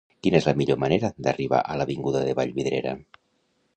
Quina és la millor manera d'arribar a l'avinguda de Vallvidrera?